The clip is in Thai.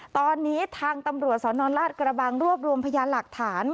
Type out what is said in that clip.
ตอนนี้ทางตำรวจสนราชกระบังรวบรวมพยานหลักฐาน